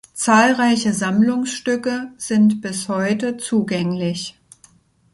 Zahlreiche Sammlungsstücke sind bis heute zugänglich.